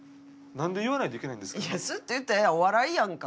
何で言わないといけないんですか。